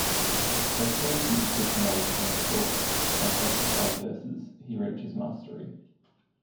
Especially in his ritornelles and short and emphasized verses he reaches mastery.